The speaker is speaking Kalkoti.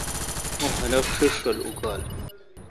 اوں خلق ݭݭ رل اوکاں